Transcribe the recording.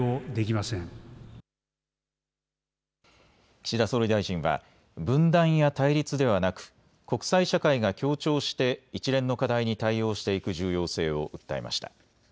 岸田総理大臣は分断や対立ではなく、国際社会が協調して一連の課題に対応していく重要性を訴えました。